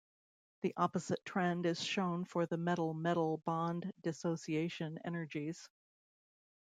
The opposite trend is shown for the metal-metal bond-dissociation energies.